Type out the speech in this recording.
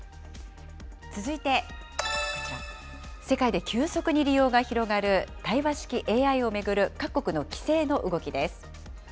続いてこちら、世界で急速に利用が広がる対話式ＡＩを巡る各国の規制の動きです。